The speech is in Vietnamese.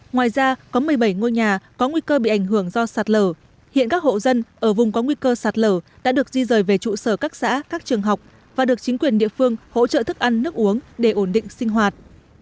ngoài ra có một mươi bảy ngôi nhà có nguy cơ bị ảnh hưởng do sạt lở hiện các hộ dân ở vùng có nguy cơ sạt lở đã được di rời về trụ sở các xã các trường học và được chính quyền địa phương hỗ trợ thức ăn nước uống để ổn định sinh hoạt